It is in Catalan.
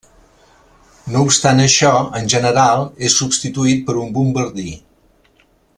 No obstant això, en general és substituït per un bombardí.